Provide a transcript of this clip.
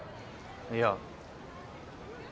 いや。